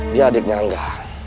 dia adiknya angga